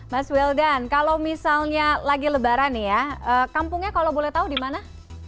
mas wildan kalau misalnya lagi lebaran nih ya kampungnya kalau boleh tahu di mana